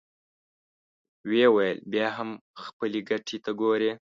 ويې ويل: بيا هم خپلې ګټې ته ګورې!